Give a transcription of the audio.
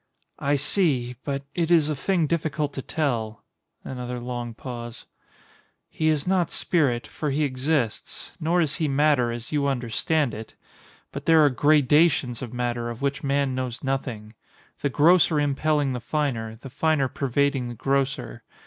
_] I see—but it is a thing difficult to tell. [Another long pause.] He is not spirit, for he exists. Nor is he matter, as you understand it. But there are gradations of matter of which man knows nothing; the grosser impelling the finer, the finer pervading the grosser.